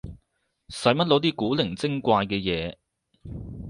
使乜攞啲古靈精怪嘅嘢